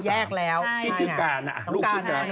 ลูกชื่อการลูกชื่อการ